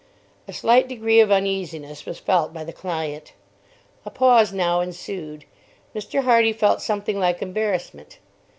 A slight degree of uneasiness was felt by the client. A pause now ensued. Mr. Hardy felt something like embarrassment.